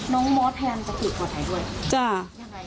น้องมอสแทนจะถูกก่อนไหนด้วย